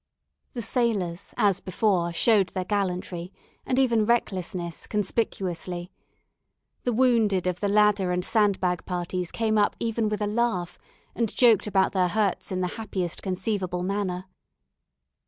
The sailors, as before, showed their gallantry, and even recklessness, conspicuously. The wounded of the ladder and sandbag parties came up even with a laugh, and joked about their hurts in the happiest conceivable manner.